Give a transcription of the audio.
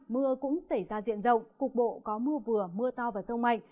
mưa cũng xảy ra diện rộng cục bộ có mưa vừa mưa to và rông mạnh